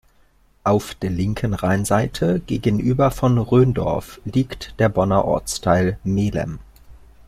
Auf der linken Rheinseite gegenüber von Rhöndorf liegt der Bonner Ortsteil Mehlem.